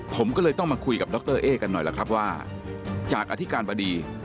ผมก็เลยต้องมาคุยกับดรเอ๊กันหน่อยล่ะครับว่าจากอธิการบดี